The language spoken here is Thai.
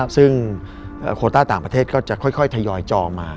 ซึ่งโคต้าต่างประเทศก็จะค่อยทยอยจองมา